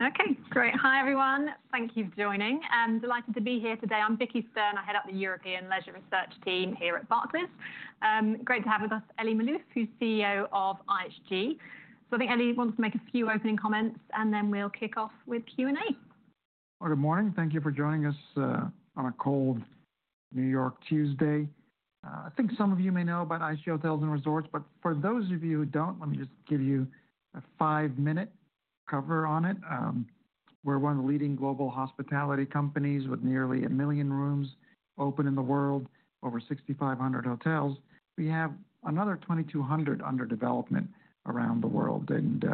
Okay, great. Hi, everyone. Thank you for joining. Delighted to be here today. I'm Vicky Stern. I head up the European Leisure Research Team here at Barclays. Great to have with us Elie Maalouf, who's CEO of IHG. So I think Elie wants to make a few opening comments, and then we'll kick off with Q&A. Good morning. Thank you for joining us on a cold New York Tuesday. I think some of you may know about IHG Hotels & Resorts, but for those of you who don't, let me just give you a five-minute cover on it. We're one of the leading global hospitality companies with nearly a million rooms open in the world, over 6,500 hotels. We have another 2,200 under development around the world, and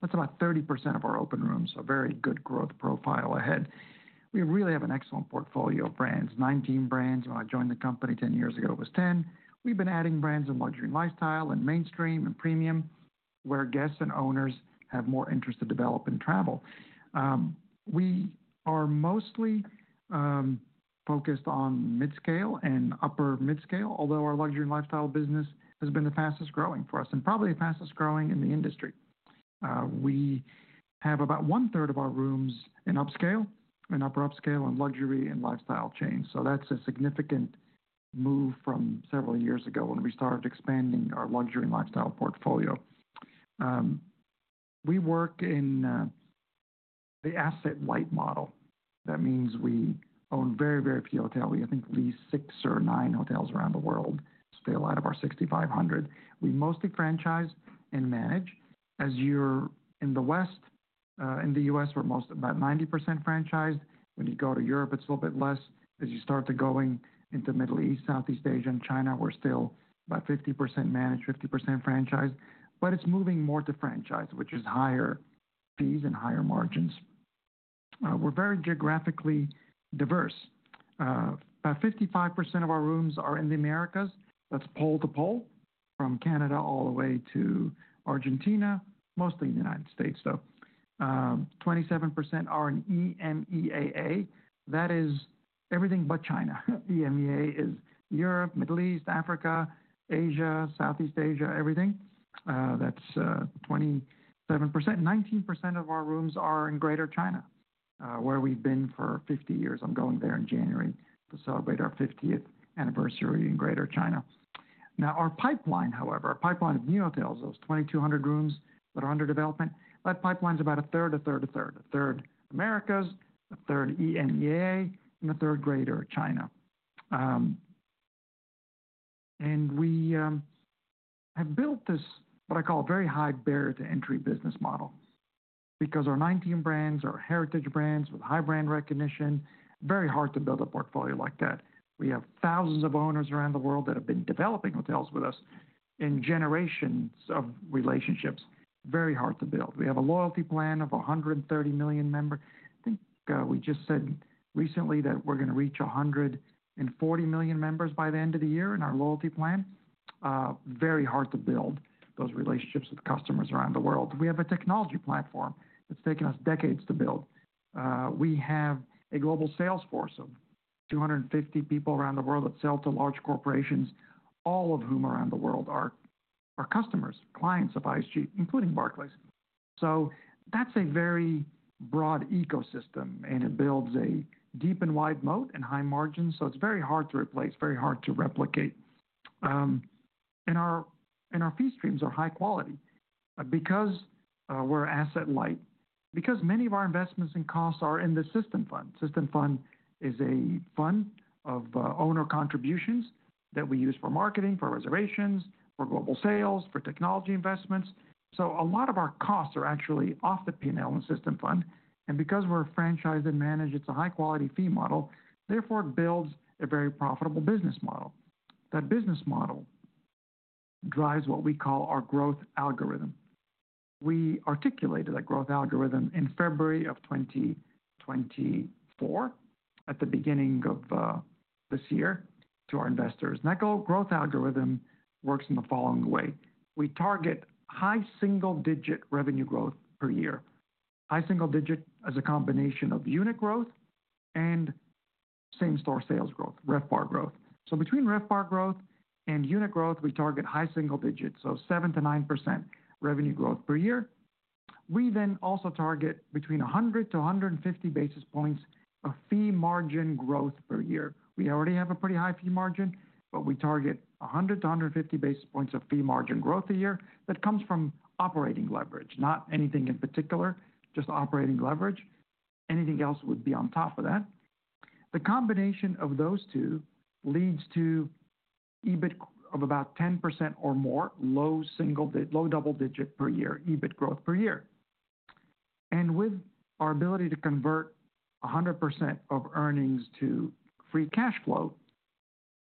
that's about 30% of our open rooms, so a very good growth profile ahead. We really have an excellent portfolio of brands. Nineteen brands when I joined the company. Ten years ago, it was ten. We've been adding brands in luxury and lifestyle, and mainstream and premium, where guests and owners have more interest to develop and travel. We are mostly focused on mid-scale and upper mid-scale, although our luxury and lifestyle business has been the fastest growing for us, and probably the fastest growing in the industry. We have about one-third of our rooms in upscale, and upper upscale, and luxury and lifestyle chains. So that's a significant move from several years ago when we started expanding our luxury and lifestyle portfolio. We work in the asset-light model. That means we own very, very few hotels. We, I think, lease six or nine hotels around the world, so that's not a lot of our 6,500. We mostly franchise and manage. As you are in the West, in the U.S., we're mostly about 90% franchised. When you go to Europe, it's a little bit less. As you start going into the Middle East, Southeast Asia, and China, we're still about 50% managed, 50% franchised. But it's moving more to franchise, which is higher fees and higher margins. We're very geographically diverse. About 55% of our rooms are in the Americas. That's pole to pole, from Canada all the way to Argentina, mostly in the United States, though. 27% are in EMEAA. That is everything but China. EMEAA is Europe, Middle East, Africa, Asia, Southeast Asia, everything. That's 27%. 19% of our rooms are in Greater China, where we've been for 50 years. I'm going there in January to celebrate our 50th anniversary in Greater China. Now, our pipeline, however, our pipeline of new hotels, those 2,200 rooms that are under development, that pipeline's about a third, a third, a third. A third Americas, a third EMEAA, and a third Greater China. We have built this, what I call, a very high barrier to entry business model, because our 19 brands are heritage brands with high brand recognition. Very hard to build a portfolio like that. We have thousands of owners around the world that have been developing hotels with us in generations of relationships. Very hard to build. We have a loyalty plan of 130 million members. I think we just said recently that we're going to reach 140 million members by the end of the year in our loyalty plan. Very hard to build those relationships with customers around the world. We have a technology platform that's taken us decades to build. We have a global sales force of 250 people around the world that sell to large corporations, all of whom around the world are customers, clients of IHG, including Barclays. So that's a very broad ecosystem, and it builds a deep and wide moat and high margins, so it's very hard to replace, very hard to replicate. And our fee streams are high quality. Because we're asset-light, because many of our investments and costs are in the System Fund. System Fund is a fund of owner contributions that we use for marketing, for reservations, for global sales, for technology investments. So a lot of our costs are actually off the P&L and System Fund. And because we're franchised and managed, it's a high-quality fee model. Therefore, it builds a very profitable business model. That business model drives what we call our growth algorithm. We articulated that growth algorithm in February of 2024, at the beginning of this year, to our investors. And that growth algorithm works in the following way. We target high single-digit revenue growth per year. High single-digit as a combination of unit growth and same-store sales growth, RevPAR growth. So between RevPAR growth and unit growth, we target high single-digits, so 7%-9% revenue growth per year. We then also target between 100-150 basis points of fee margin growth per year. We already have a pretty high fee margin, but we target 100-150 basis points of fee margin growth a year. That comes from operating leverage, not anything in particular, just operating leverage. Anything else would be on top of that. The combination of those two leads to EBIT of about 10% or more, low single-digit, low double-digit per year, EBIT growth per year. And with our ability to convert 100% of earnings to free cash flow,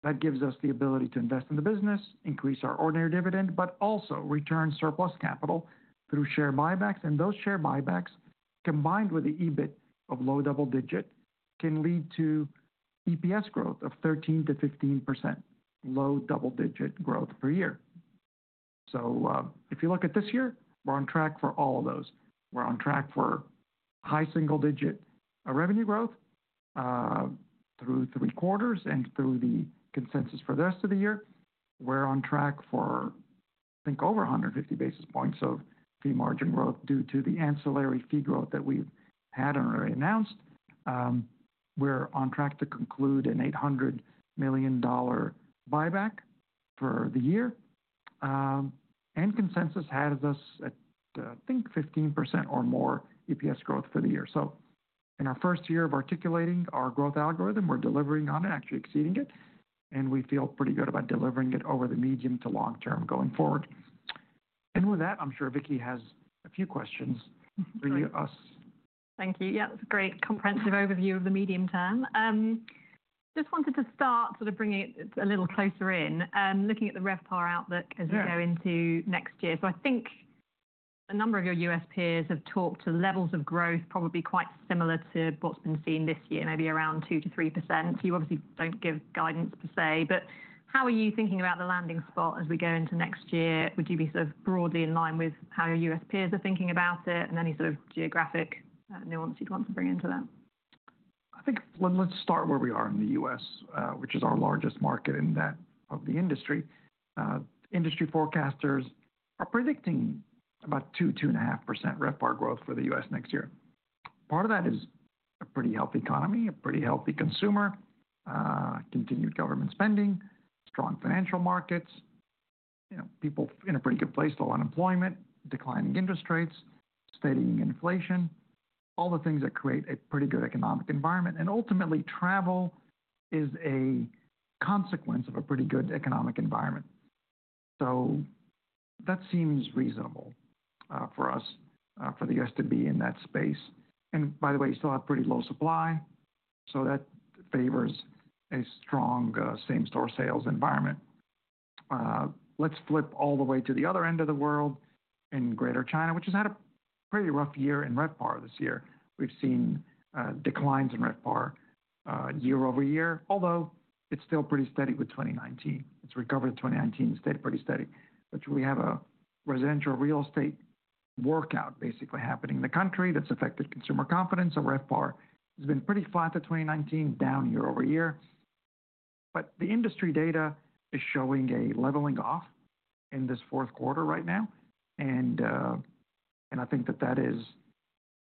that gives us the ability to invest in the business, increase our ordinary dividend, but also return surplus capital through share buybacks. And those share buybacks, combined with the EBIT of low double digit, can lead to EPS growth of 13%-15%, low double digit growth per year. So if you look at this year, we're on track for all of those. We're on track for high single digit revenue growth through three quarters and through the consensus for the rest of the year. We're on track for, I think, over 150 basis points of fee margin growth due to the ancillary fee growth that we've had and already announced. We're on track to conclude an $800 million buyback for the year. Consensus has us at, I think, 15% or more EPS growth for the year. In our first year of articulating our growth algorithm, we're delivering on it, actually exceeding it. We feel pretty good about delivering it over the medium to long term going forward. With that, I'm sure Vicky has a few questions for you. Thank you. Yeah, it's a great comprehensive overview of the medium term. Just wanted to start sort of bringing it a little closer in, looking at the RevPAR outlook as we go into next year. So I think a number of your U.S. peers have talked to levels of growth probably quite similar to what's been seen this year, maybe around 2%-3%. You obviously don't give guidance per se, but how are you thinking about the landing spot as we go into next year? Would you be sort of broadly in line with how your U.S. peers are thinking about it, and any sort of geographic nuance you'd want to bring into that? I think let's start where we are in the U.S., which is our largest market in the industry. Industry forecasters are predicting about 2%-2.5% RevPAR growth for the U.S. next year. Part of that is a pretty healthy economy, a pretty healthy consumer, continued government spending, strong financial markets, people in a pretty good place, too low unemployment, declining interest rates, steadying inflation, all the things that create a pretty good economic environment. And ultimately, travel is a consequence of a pretty good economic environment. So that seems reasonable for us, for the U.S. to be in that space. And by the way, you still have pretty low supply, so that favors a strong same-store sales environment. Let's flip all the way to the other end of the world in Greater China, which has had a pretty rough year in RevPAR this year. We've seen declines in RevPAR year over year, although it's still pretty steady with 2019. It's recovered in 2019 and stayed pretty steady. But we have a residential real estate workout basically happening in the country that's affected consumer confidence. So RevPAR has been pretty flat to 2019, down year over year. But the industry data is showing a leveling off in this fourth quarter right now. And I think that is,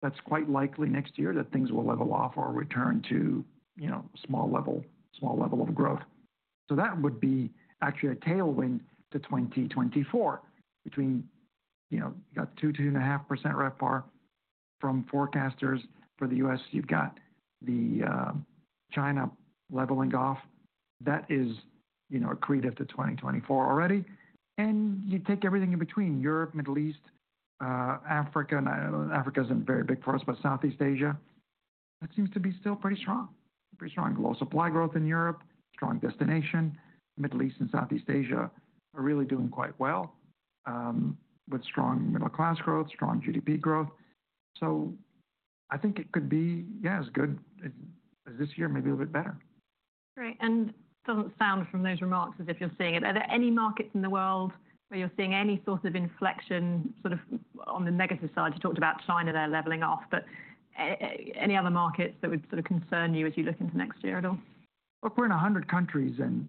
that's quite likely next year that things will level off or return to small level of growth. So that would be actually a tailwind to 2024. Between you got 2% to 2.5% RevPAR from forecasters for the U.S., you've got the China leveling off. That is accretive to 2024 already. And you take everything in between Europe, Middle East, Africa, and Africa isn't very big for us, but Southeast Asia, that seems to be still pretty strong. Pretty strong low supply growth in Europe, strong demand. Middle East and Southeast Asia are really doing quite well with strong middle-class growth, strong GDP growth. So I think it could be, yeah, as good as this year, maybe a little bit better. Right. And it doesn't sound from those remarks as if you're seeing it. Are there any markets in the world where you're seeing any sort of inflection sort of on the negative side? You talked about China there leveling off, but any other markets that would sort of concern you as you look into next year at all? Look, we're in 100 countries, and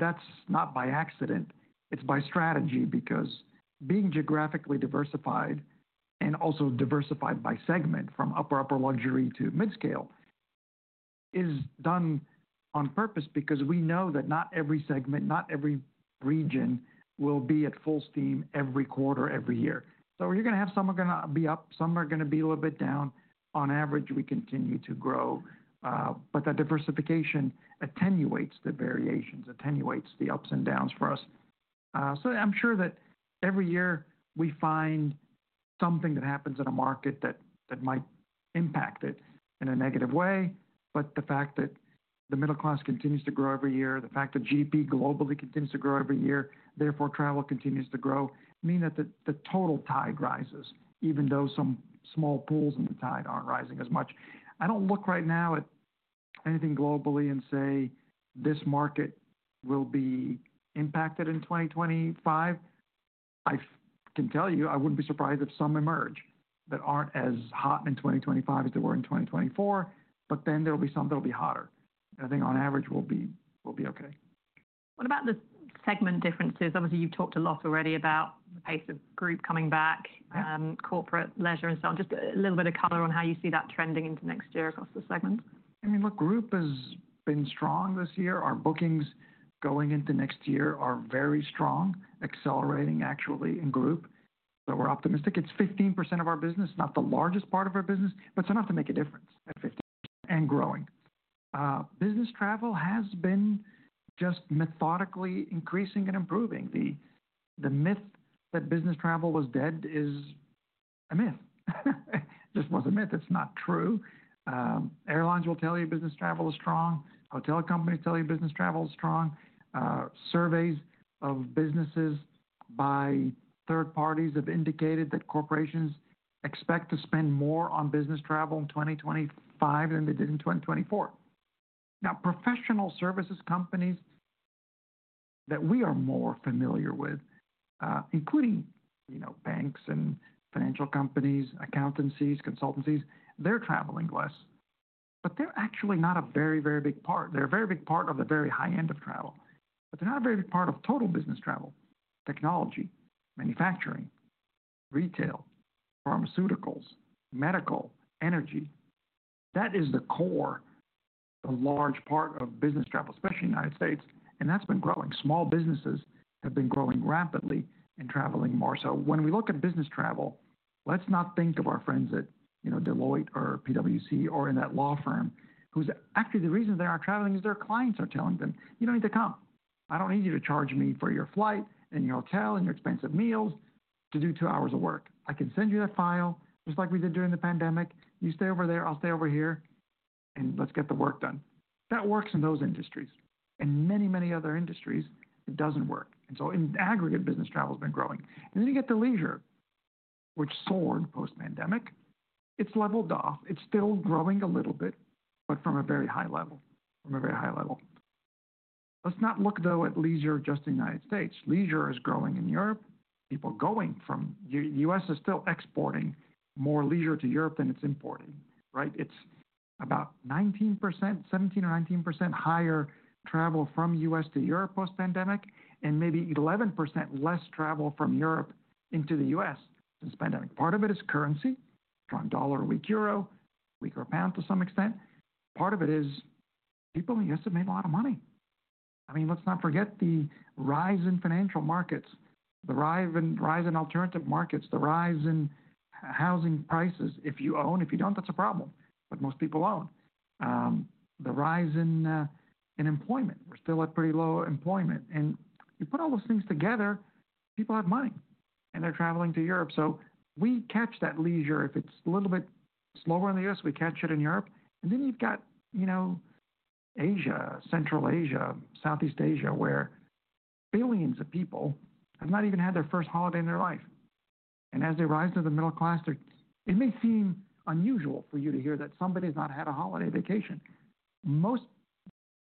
that's not by accident. It's by strategy, because being geographically diversified and also diversified by segment, from upper upper luxury to mid-scale, is done on purpose, because we know that not every segment, not every Regent will be at full steam every quarter, every year. So you're going to have some are going to be up, some are going to be a little bit down. On average, we continue to grow. But that diversification attenuates the variations, attenuates the ups and downs for us. So I'm sure that every year we find something that happens in a market that might impact it in a negative way. But the fact that the middle class continues to grow every year, the fact that GDP globally continues to grow every year, therefore travel continues to grow, mean that the total tide rises, even though some small pools in the tide aren't rising as much. I don't look right now at anything globally and say this market will be impacted in 2025. I can tell you I wouldn't be surprised if some emerge that aren't as hot in 2025 as they were in 2024, but then there'll be some that'll be hotter. And I think on average we'll be okay. What about the segment differences? Obviously, you've talked a lot already about the pace of Group coming back, corporate leisure and so on. Just a little bit of color on how you see that trending into next year across the segments. I mean, look, Group has been strong this year. Our bookings going into next year are very strong, accelerating actually in Group. So we're optimistic. It's 15% of our business, not the largest part of our business, but it's enough to make a difference at 15% and growing. Business travel has been just methodically increasing and improving. The myth that business travel was dead is a myth. It just was a myth. It's not true. Airlines will tell you business travel is strong. Hotel companies tell you business travel is strong. Surveys of businesses by third parties have indicated that corporations expect to spend more on business travel in 2025 than they did in 2024. Now, professional services companies that we are more familiar with, including banks and financial companies, accountancies, consultancies, they're traveling less. But they're actually not a very, very big part. They're a very big part of the very high end of travel, but they're not a very big part of total business travel: technology, manufacturing, retail, pharmaceuticals, medical, energy. That is the core, the large part of business travel, especially in the United States, and that's been growing. Small businesses have been growing rapidly and traveling more, so when we look at business travel, let's not think of our friends at Deloitte or PwC or in that law firm who's actually the reason they aren't traveling is their clients are telling them, "You don't need to come. I don't need you to charge me for your flight and your hotel and your expensive meals to do two hours of work. I can send you that file just like we did during the pandemic. You stay over there, I'll stay over here, and let's get the work done." That works in those industries. In many, many other industries, it doesn't work, and so in aggregate, business travel has been growing, and then you get to leisure, which soared post-pandemic. It's leveled off. It's still growing a little bit, but from a very high level, from a very high level. Let's not look, though, at leisure just in the United States. Leisure is growing in Europe. People going from the U.S. are still exporting more leisure to Europe than it's importing, right? It's about 19%, 17% or 19% higher travel from U.S. to Europe post-pandemic, and maybe 11% less travel from Europe into the U.S. since pandemic. Part of it is currency, strong dollar, weak euro, weaker pound to some extent. Part of it is people in the U.S. have made a lot of money. I mean, let's not forget the rise in financial markets, the rise in alternative markets, the rise in housing prices. If you own, if you don't, that's a problem, but most people own. The rise in employment. We're still at pretty low employment, and you put all those things together, people have money, and they're traveling to Europe, so we catch that leisure. If it's a little bit slower in the U.S., we catch it in Europe, and then you've got Asia, Central Asia, Southeast Asia, where billions of people have not even had their first holiday in their life, and as they rise to the middle class, it may seem unusual for you to hear that somebody has not had a holiday vacation. Most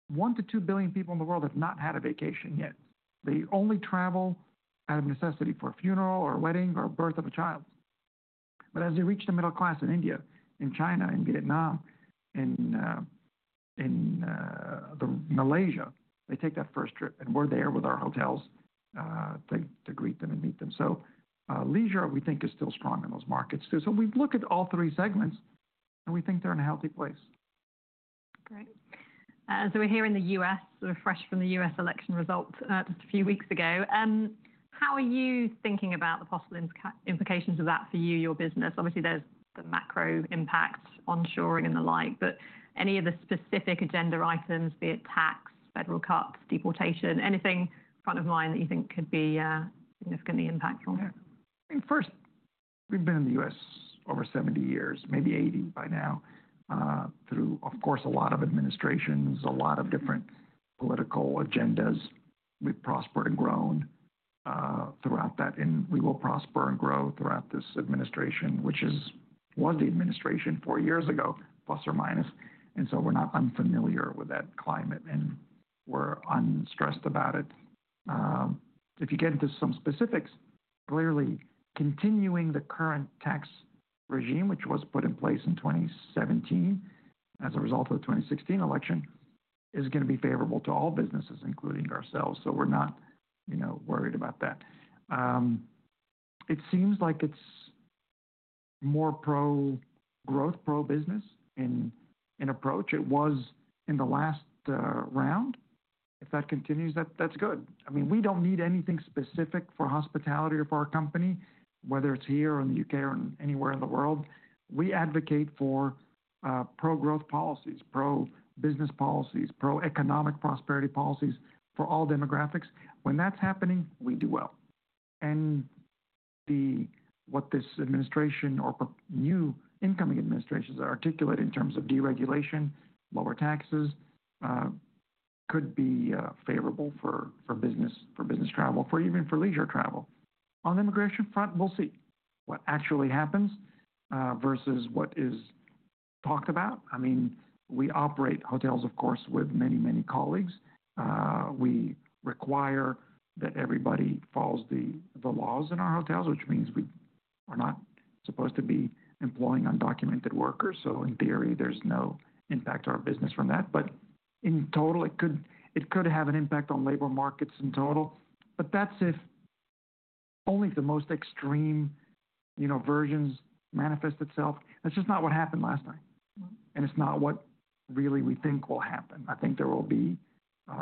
one to two billion people in the world have not had a vacation yet. They only travel out of necessity for a funeral or a wedding or a birth of a child. But as they reach the middle class in India, in China, in Vietnam, in Malaysia, they take that first trip, and we're there with our hotels to greet them and meet them. So leisure, we think, is still strong in those markets too. So we've looked at all three segments, and we think they're in a healthy place. Great. So we're here in the U.S., sort of fresh from the U.S. election result just a few weeks ago. How are you thinking about the possible implications of that for you, your business? Obviously, there's the macro impacts, onshoring and the like, but any of the specific agenda items, be it tax, federal cuts, deportation, anything front of mind that you think could be significantly impactful? Yeah. I mean, first, we've been in the U.S. over 70 years, maybe 80 by now, through, of course, a lot of administrations, a lot of different political agendas. We've prospered and grown throughout that, and we will prosper and grow throughout this administration, which was the administration four years ago, plus or minus. And so we're not unfamiliar with that climate, and we're unstressed about it. If you get into some specifics, clearly continuing the current tax regime, which was put in place in 2017 as a result of the 2016 election, is going to be favorable to all businesses, including ourselves. So we're not worried about that. It seems like it's more pro-growth, pro-business in approach. It was in the last round. If that continues, that's good. I mean, we don't need anything specific for hospitality or for our company, whether it's here or in the U.K. or anywhere in the world. We advocate for pro-growth policies, pro-business policies, pro-economic prosperity policies for all demographics. When that's happening, we do well. And what this administration or new incoming administrations are articulating in terms of deregulation, lower taxes could be favorable for business travel, for even for leisure travel. On the immigration front, we'll see what actually happens versus what is talked about. I mean, we operate hotels, of course, with many, many colleagues. We require that everybody follows the laws in our hotels, which means we are not supposed to be employing undocumented workers. So in theory, there's no impact to our business from that. But in total, it could have an impact on labor markets in total. But that's if only the most extreme versions manifest itself. That's just not what happened last time. And it's not what really we think will happen.I think there will be,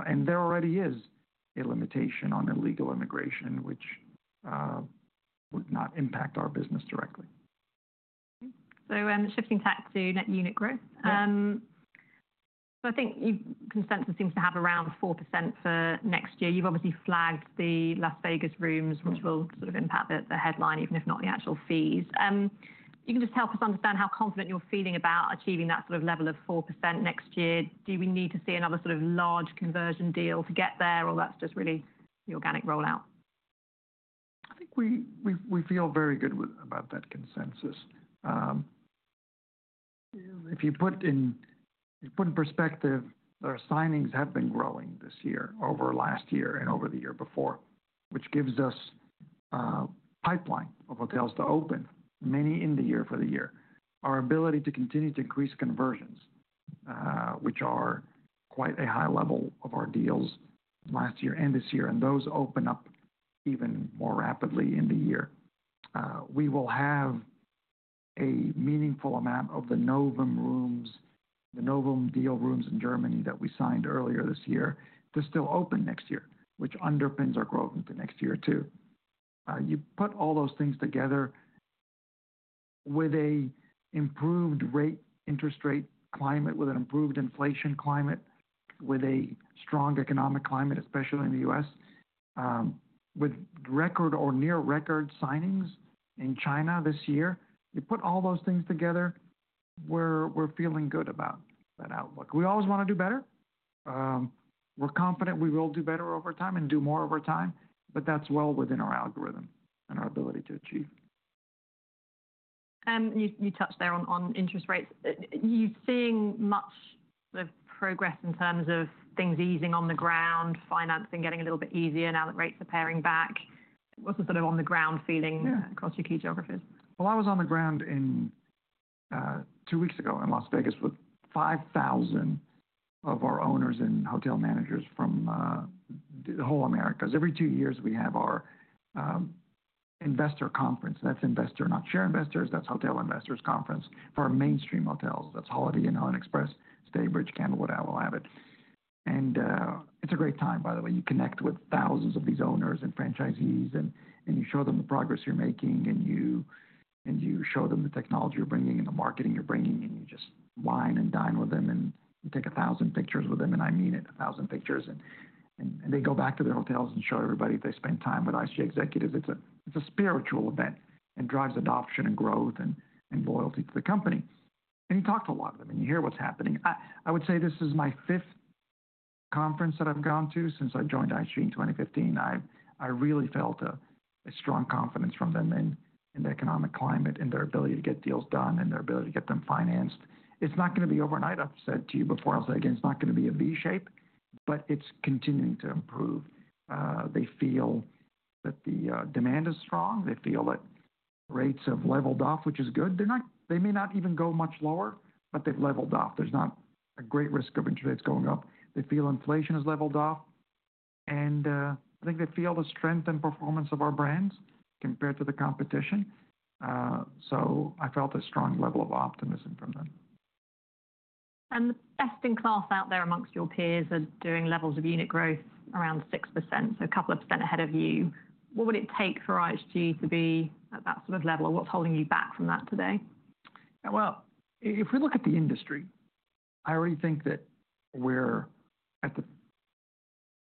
and there already is a limitation on illegal immigration, which would not impact our business directly. So shifting tack to net unit growth. So I think consensus seems to have around 4% for next year. You've obviously flagged the Las Vegas rooms, which will sort of impact the headline, even if not the actual fees. You can just help us understand how confident you're feeling about achieving that sort of level of 4% next year. Do we need to see another sort of large conversion deal to get there, or that's just really the organic rollout? I think we feel very good about that consensus. If you put in perspective, our signings have been growing this year over last year and over the year before, which gives us a pipeline of hotels to open, many in the year for the year. Our ability to continue to increase conversions, which are quite a high level of our deals last year and this year, and those open up even more rapidly in the year. We will have a meaningful amount of the Novum rooms, the Novum deal rooms in Germany that we signed earlier this year to still open next year, which underpins our growth into next year too. You put all those things together with an improved rate interest rate climate, with an improved inflation climate, with a strong economic climate, especially in the U.S., with record or near record signings in China this year. You put all those things together, we're feeling good about that outlook. We always want to do better. We're confident we will do better over time and do more over time, but that's well within our algorithm and our ability to achieve. You touched there on interest rates. Are you seeing much progress in terms of things easing on the ground, financing getting a little bit easier now that rates are paring back? What's the sort of on-the-ground feeling across your key geographies? I was on the ground two weeks ago in Las Vegas with 5,000 of our owners and hotel managers from the whole Americas. Every two years, we have our investor conference. That's investor, not share investors. That's hotel investors conference for our mainstream hotels. That's Holiday Inn, Holiday Inn Express, Staybridge Suites, Candlewood Suites, avid hotels. And it's a great time, by the way. You connect with thousands of these owners and franchisees, and you show them the progress you're making, and you show them the technology you're bringing and the marketing you're bringing, and you just wine and dine with them, and you take 1,000 pictures with them, and I mean it, 1,000 pictures. And they go back to their hotels and show everybody they spent time with IHG executives. It's a spiritual event and drives adoption and growth and loyalty to the company. And you talk to a lot of them, and you hear what's happening. I would say this is my fifth conference that I've gone to since I joined IHG in 2015. I really felt a strong confidence from them in the economic climate and their ability to get deals done and their ability to get them financed. It's not going to be overnight. I've said to you before. I'll say it again. It's not going to be a V-shape, but it's continuing to improve. They feel that the demand is strong. They feel that rates have leveled off, which is good. They may not even go much lower, but they've leveled off. There's not a great risk of interest rates going up. They feel inflation has leveled off. And I think they feel the strength and performance of our brands compared to the competition. So I felt a strong level of optimism from them. The best in class out there amongst your peers are doing levels of unit growth around 6%, so a couple of percent ahead of you. What would it take for IHG to be at that sort of level? What's holding you back from that today? If we look at the industry, I already think that we're at the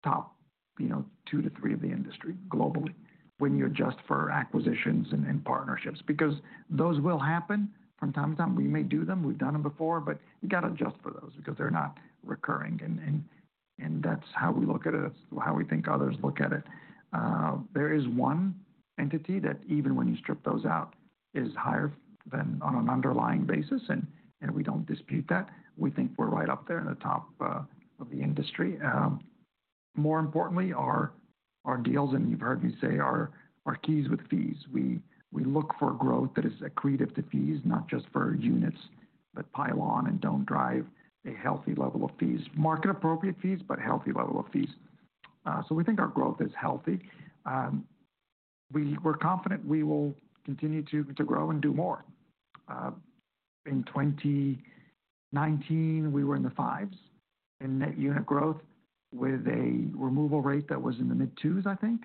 top two to three of the industry globally when you adjust for acquisitions and partnerships, because those will happen from time to time. We may do them. We've done them before, but you got to adjust for those because they're not recurring. And that's how we look at it. That's how we think others look at it. There is one entity that even when you strip those out, is higher than on an underlying basis, and we don't dispute that. We think we're right up there in the top of the industry. More importantly, our deals, and you've heard me say, are keys with fees. We look for growth that is accretive to fees, not just for units, but pile on and don't drive a healthy level of fees, market-appropriate fees, but healthy level of fees. So we think our growth is healthy. We're confident we will continue to grow and do more. In 2019, we were in the fives in net unit growth with a removal rate that was in the mid-twos, I think.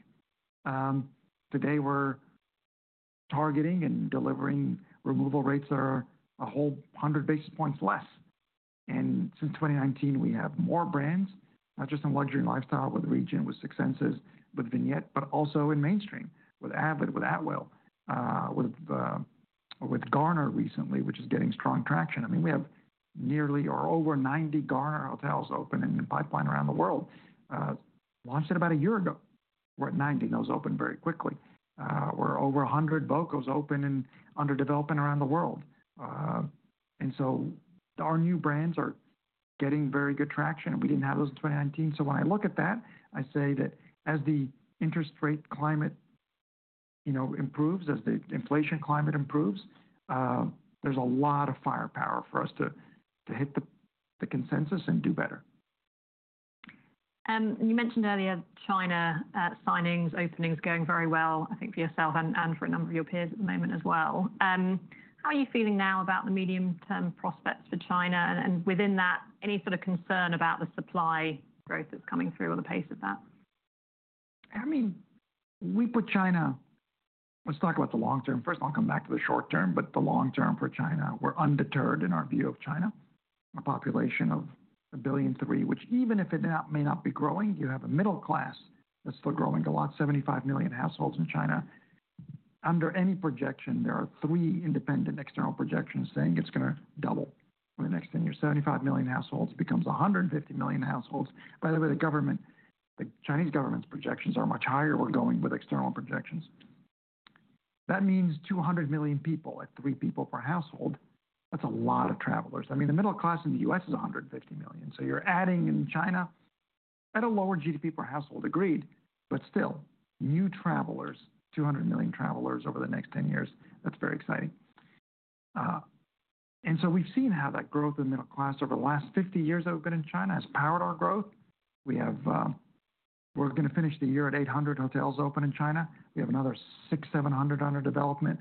Today, we're targeting and delivering removal rates that are a whole 100 basis points less. And since 2019, we have more brands, not just in luxury and lifestyle, but the Regent with Six Senses, with Vignette, but also in mainstream with avid and with Atwell, with Garner recently, which is getting strong traction. I mean, we have nearly or over 90 Garner hotels open and in pipeline around the world. Launched it about a year ago. We're at 90, and those opened very quickly. We're over 100 voco open and underdeveloping around the world. And so our new brands are getting very good traction. We didn't have those in 2019. So when I look at that, I say that as the interest rate climate improves, as the inflation climate improves, there's a lot of firepower for us to hit the consensus and do better. You mentioned earlier China signings, openings going very well, I think for yourself and for a number of your peers at the moment as well. How are you feeling now about the medium-term prospects for China? And within that, any sort of concern about the supply growth that's coming through or the pace of that? I mean, we put China, let's talk about the long term. First, I'll come back to the short term, but the long term for China, we're undeterred in our view of China, a population of 1.3 billion, which even if it may not be growing, you have a middle class that's still growing a lot, 75 million households in China. Under any projection, there are three independent external projections saying it's going to double in the next 10 years. 75 million households becomes 150 million households. By the way, the government, the Chinese government's projections are much higher. We're going with external projections. That means 200 million people at three people per household. That's a lot of travelers. I mean, the middle class in the U.S. is 150 million. So you're adding in China at a lower GDP per household, agreed, but still new travelers, 200 million travelers over the next 10 years. That's very exciting. And so we've seen how that growth in the middle class over the last 50 years that we've been in China has powered our growth. We're going to finish the year at 800 hotels open in China. We have another 600-700 under development.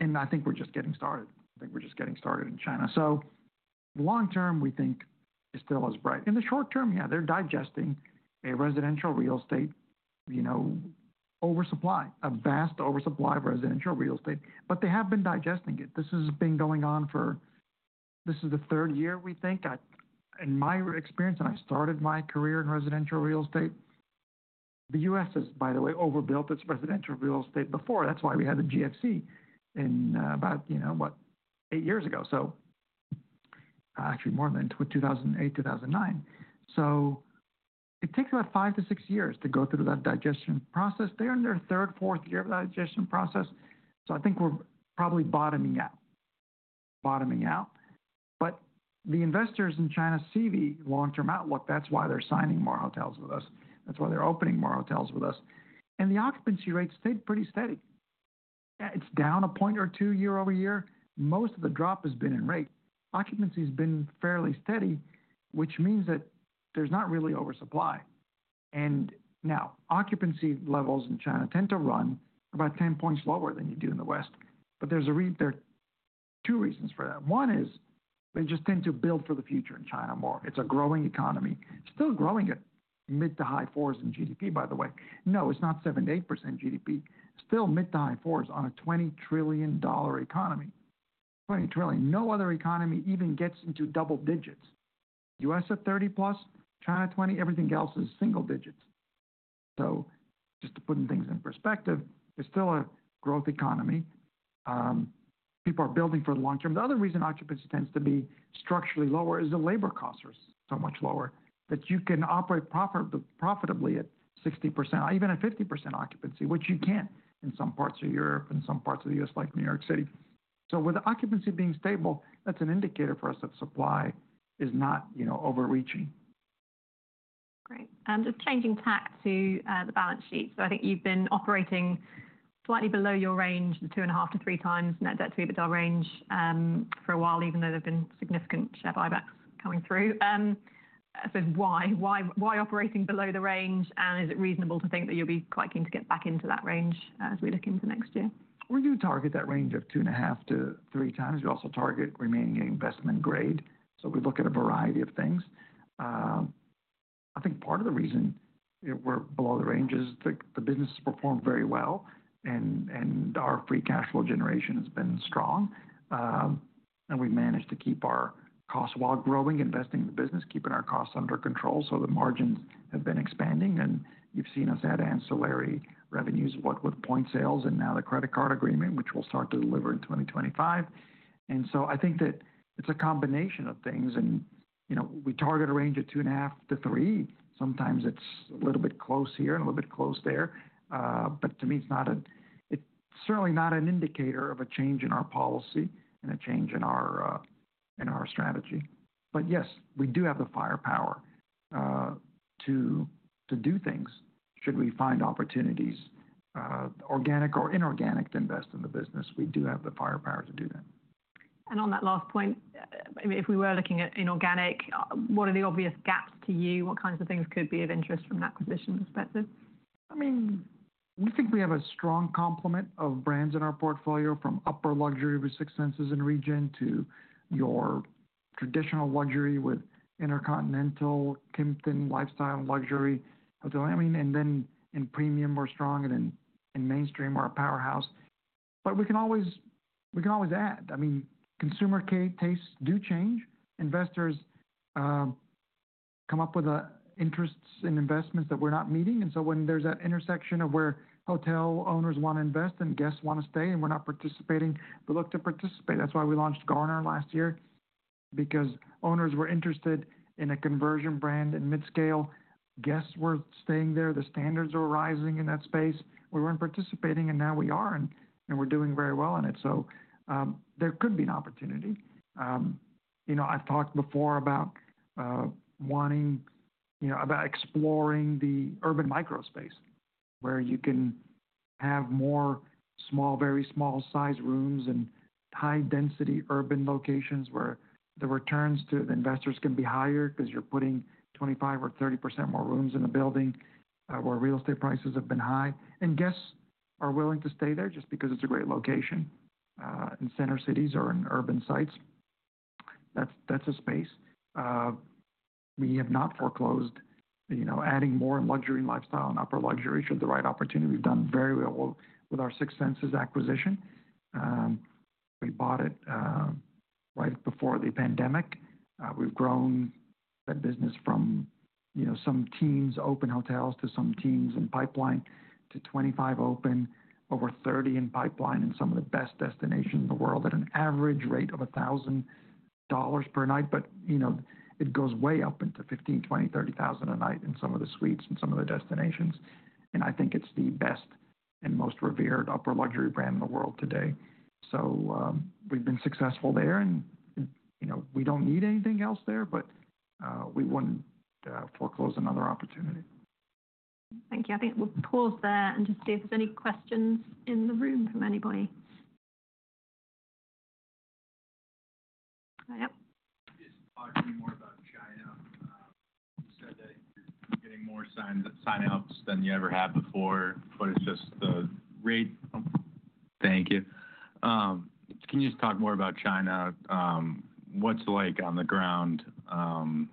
And I think we're just getting started. I think we're just getting started in China. So long term, we think is still as bright. In the short term, yeah, they're digesting a residential real estate oversupply, a vast oversupply of residential real estate, but they have been digesting it. This has been going on. This is the third year, we think, in my experience, and I started my career in residential real estate. The U.S. has, by the way, overbuilt its residential real estate before. That's why we had the GFC in about, you know, what, eight years ago, so actually more than 2008, 2009. So it takes about five to six years to go through that digestion process. They're in their third, fourth year of the digestion process. So I think we're probably bottoming out, bottoming out. But the investors in China see the long-term outlook. That's why they're signing more hotels with us. That's why they're opening more hotels with us. And the occupancy rate stayed pretty steady. It's down a point or two year over year. Most of the drop has been in rate. Occupancy has been fairly steady, which means that there's not really oversupply. And now occupancy levels in China tend to run about 10 points lower than you do in the West. But there are two reasons for that. One is they just tend to build for the future in China more. It's a growing economy. Still growing at mid to high fours in GDP, by the way. No, it's not 7% to 8% GDP. Still mid to high fours on a $20 trillion economy. $20 trillion. No other economy even gets into double digits. U.S. at 30 plus, China at 20, everything else is single digits. So just to put things in perspective, it's still a growth economy. People are building for the long term. The other reason occupancy tends to be structurally lower is the labor costs are so much lower that you can operate profitably at 60%, even at 50% occupancy, which you can't in some parts of Europe and some parts of the U.S., like New York City. So with occupancy being stable, that's an indicator for us that supply is not overreaching. Great. Just changing tack to the balance sheet. So I think you've been operating slightly below your range, the 2.5-3 times net debt to EBITDA range for a while, even though there have been significant share buybacks coming through. So why? Why operating below the range? And is it reasonable to think that you'll be quite keen to get back into that range as we look into next year? We do target that range of two and a half to three times. We also target remaining investment grade, so we look at a variety of things. I think part of the reason we're below the range is the business has performed very well, and our free cash flow generation has been strong, and we've managed to keep our costs while growing. Investing in the business, keeping our costs under control, so the margins have been expanding, and you've seen us add ancillary revenues with points sales and now the credit card agreement, which we'll start to deliver in 2025. And so I think that it's a combination of things, and we target a range of two and a half to three. Sometimes it's a little bit close here and a little bit close there. But to me, it's not, it's certainly not an indicator of a change in our policy and a change in our strategy. But yes, we do have the firepower to do things should we find opportunities, organic or inorganic, to invest in the business. We do have the firepower to do that. On that last point, if we were looking at inorganic, what are the obvious gaps to you? What kinds of things could be of interest from an acquisition perspective? I mean, we think we have a strong complement of brands in our portfolio from upper luxury with Six Senses in region to your traditional luxury with InterContinental, Kimpton, Lifestyle, and Luxury. I mean, and then in premium or strong and in mainstream or a powerhouse. But we can always add. I mean, consumer tastes do change. Investors come up with interests and investments that we're not meeting. And so when there's that intersection of where hotel owners want to invest and guests want to stay and we're not participating, they look to participate. That's why we launched Garner last year, because owners were interested in a conversion brand in mid-scale. Guests were staying there. The standards are rising in that space. We weren't participating, and now we are, and we're doing very well in it. So there could be an opportunity. I've talked before about wanting, about exploring the urban microspace where you can have more small, very small-sized rooms and high-density urban locations where the returns to the investors can be higher because you're putting 25% or 30% more rooms in the building where real estate prices have been high. And guests are willing to stay there just because it's a great location in center cities or in urban sites. That's a space. We have not foreclosed adding more in luxury and lifestyle and upper luxury should the right opportunity. We've done very well with our Six Senses acquisition. We bought it right before the pandemic. We've grown that business from some teens open hotels to some teens in pipeline to 25 open, over 30 in pipeline in some of the best destinations in the world at an average rate of $1,000 per night. But it goes way up into 15, 20, 30 thousand a night in some of the suites and some of the destinations. And I think it's the best and most revered upper luxury brand in the world today. So we've been successful there, and we don't need anything else there, but we wouldn't foreclose another opportunity. Thank you. I think we'll pause there and just see if there's any questions in the room from anybody. Yep. Just talk to me more about China. You said that you're getting more sign-ups than you ever had before, but it's just the rate. Thank you. Can you just talk more about China? What's it like on the ground, and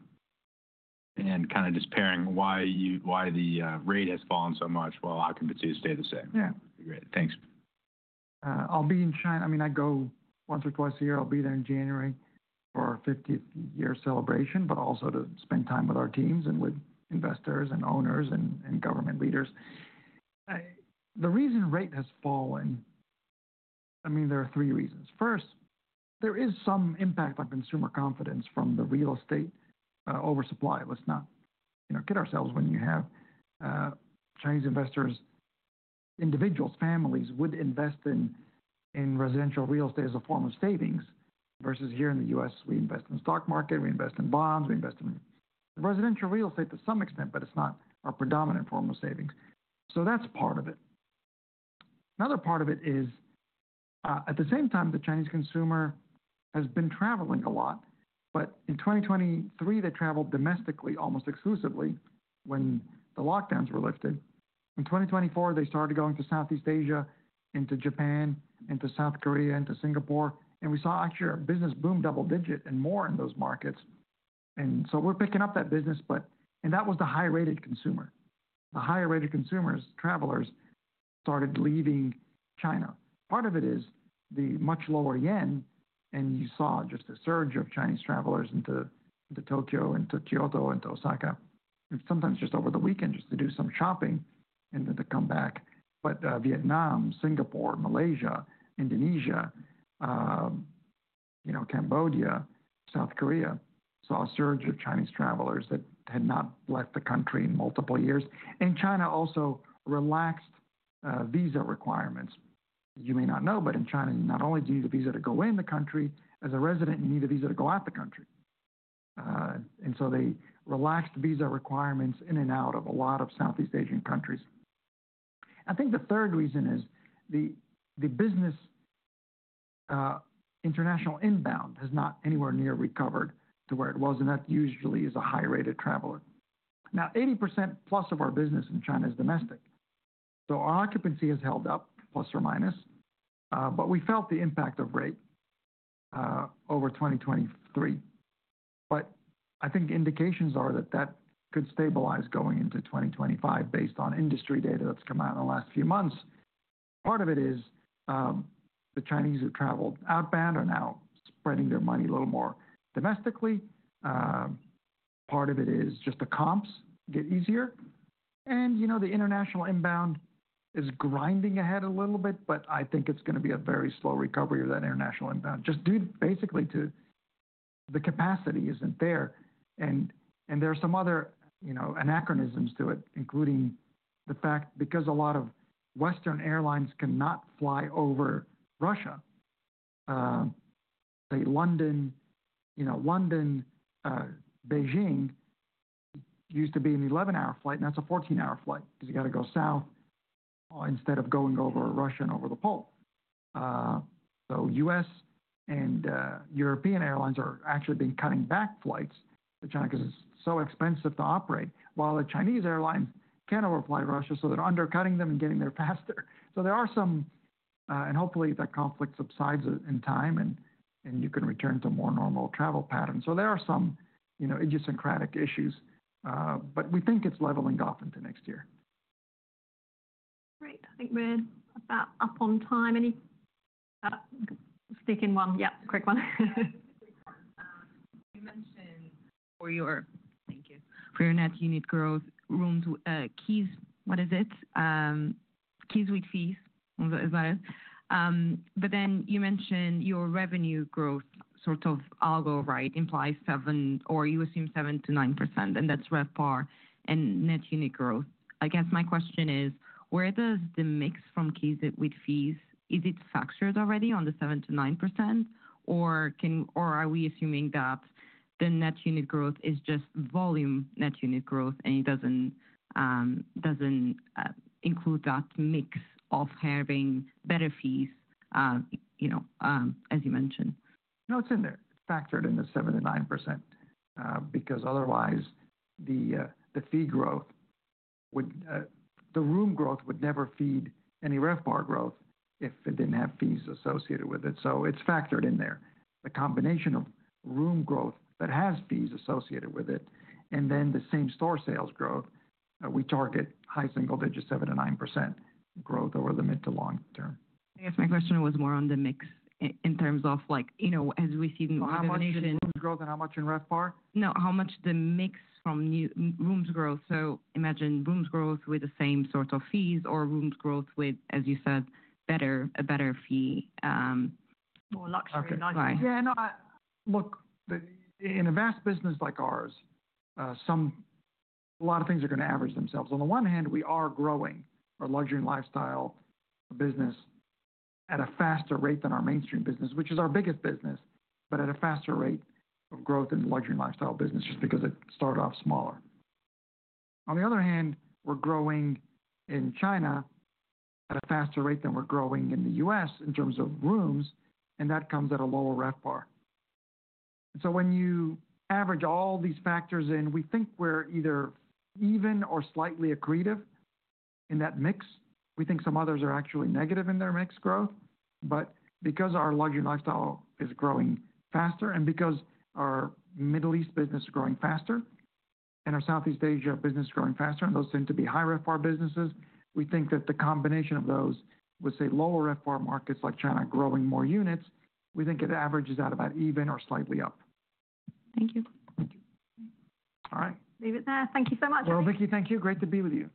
kind of just pairing why the rate has fallen so much while occupancy has stayed the same. Yeah. Great. Thanks. I'll be in China. I mean, I go once or twice a year. I'll be there in January for our 50th year celebration, but also to spend time with our teams and with investors and owners and government leaders. The reason rate has fallen, I mean, there are three reasons. First, there is some impact on consumer confidence from the real estate oversupply. Let's not kid ourselves when you have Chinese investors, individuals, families would invest in residential real estate as a form of savings versus here in the U.S., we invest in the stock market, we invest in bonds, we invest in residential real estate to some extent, but it's not our predominant form of savings. So that's part of it. Another part of it is at the same time, the Chinese consumer has been traveling a lot, but in 2023, they traveled domestically almost exclusively when the lockdowns were lifted. In 2024, they started going to Southeast Asia, into Japan, into South Korea, into Singapore. And we saw actually a business boom double-digit and more in those markets. And so we're picking up that business, but that was the high-rated consumer. The higher-rated consumers, travelers, started leaving China. Part of it is the much lower yen, and you saw just a surge of Chinese travelers into Tokyo and to Kyoto and to Osaka, sometimes just over the weekend just to do some shopping and then to come back. But Vietnam, Singapore, Malaysia, Indonesia, Cambodia, South Korea saw a surge of Chinese travelers that had not left the country in multiple years. And China also relaxed visa requirements. You may not know, but in China, you not only need a visa to go in the country as a resident, you need a visa to go out of the country, and so they relaxed visa requirements in and out of a lot of Southeast Asian countries. I think the third reason is the business international inbound has not anywhere near recovered to where it was, and that usually is a high-rated traveler. Now, 80% plus of our business in China is domestic, so our occupancy has held up plus or minus, but we felt the impact of rate over 2023, but I think indications are that that could stabilize going into 2025 based on industry data that's come out in the last few months. Part of it is the Chinese who traveled outbound are now spreading their money a little more domestically. Part of it is just the comps get easier. The international inbound is grinding ahead a little bit, but I think it's going to be a very slow recovery of that international inbound just due basically to the capacity isn't there. There are some other anomalies to it, including the fact because a lot of Western airlines cannot fly over Russia. Say London, Beijing used to be an 11-hour flight, and that's a 14-hour flight because you got to go south instead of going over Russia and over the Pole. U.S. and European airlines are actually cutting back flights to China because it's so expensive to operate, while the Chinese airlines can overfly Russia, so they're undercutting them and getting there faster. There are some, and hopefully that conflict subsides in time and you can return to more normal travel patterns. So there are some idiosyncratic issues, but we think it's leveling off into next year. Great. I think we're about up on time. Any sticking one? Yep, quick one. You mentioned for your, thank you. For your net unit growth room to keys, what is it? Keys with fees, is that it? But then you mentioned your revenue growth sort of algo, right? Implies seven or you assume seven to nine%, and that's RevPAR and net unit growth. I guess my question is, where does the mix from keys with fees, is it factored already on the seven to nine%, or are we assuming that the net unit growth is just volume net unit growth and it doesn't include that mix of having better fees, as you mentioned? No, it's in there. It's factored in the 7%-9% because otherwise the fee growth would, the room growth would never feed any RevPAR growth if it didn't have fees associated with it. So it's factored in there. The combination of room growth that has fees associated with it, and then the same store sales growth, we target high single-digit 7%-9% growth over the mid to long term. I guess my question was more on the mix in terms of as we see in. How much in rooms growth and how much in RevPAR? No, how much the mix from rooms growth. So imagine rooms growth with the same sort of fees or rooms growth with, as you said, a better fee. More luxury. Yeah. Look, in a vast business like ours, a lot of things are going to average themselves. On the one hand, we are growing our luxury and lifestyle business at a faster rate than our mainstream business, which is our biggest business, but at a faster rate of growth in the luxury and lifestyle business just because it started off smaller. On the other hand, we're growing in China at a faster rate than we're growing in the U.S. in terms of rooms, and that comes at a lower RevPAR. So when you average all these factors in, we think we're either even or slightly accretive in that mix. We think some others are actually negative in their mixed growth. But because our luxury and lifestyle is growing faster and because our Middle East business is growing faster and our Southeast Asia business is growing faster, and those tend to be high RevPAR businesses, we think that the combination of those with, say, lower RevPAR markets like China growing more units, we think it averages out about even or slightly up. Thank you. All right. David, thank you so much. Well, Vicky, thank you. Great to be with you.